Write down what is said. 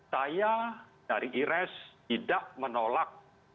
saya dari ires tidak menolak